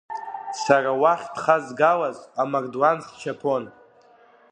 Сара уахь дхазгалоз амардуан счаԥон.